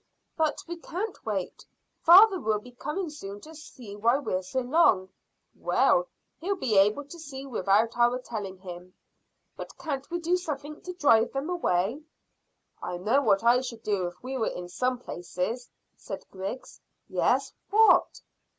"But we can't wait. Father will be coming soon to see why we're so long." "Well, he'll be able to see without our telling him." "But can't we do something to drive them away?" "I know what I should do if we were in some places," said Griggs. "Yes! What?"